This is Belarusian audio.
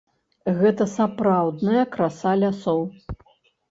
Гэта сапраўдная краса лясоў.